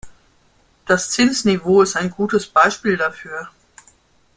Das Zinsniveau ist ein gutes Beispiel dafür.